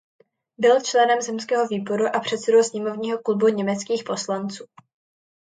Byl členem zemského výboru a předsedou sněmovního klubu německých poslanců.